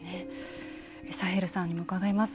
サヘルさんにも伺います。